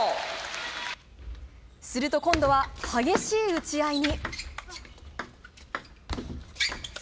すると、今度は激しい打ち合いに。